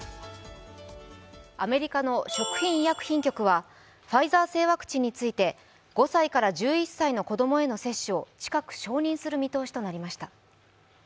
アメリカの食品医薬品局はファイザー製ワクチンについて、５歳から１１歳の子供への接種を近く承認する見通しとなりました。